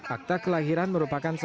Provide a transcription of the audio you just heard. akta kelahiran merupakan salah satu